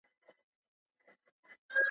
په افغانستان کي د مخدره توکو وده ,